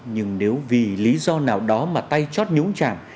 nhưng nếu vì lý do nào đó mà tay chót nhúng chảm